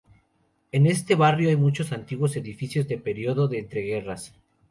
En este barrio hay muchos antiguos edificios de período de entreguerras.